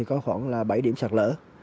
có khoảng bảy điểm xạc lỡ